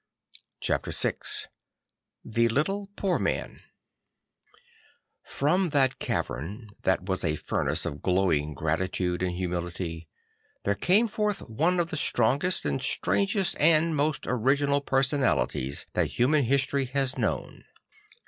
Chapter 1/1 'Ihe Little Poor Man FROM that cavern, that was a furnace of glowing gratitude and humility, there came forth one of the strongest and strangest and most original personalities that human history has known.